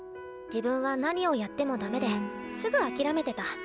自分は何をやってもダメですぐ諦めてた。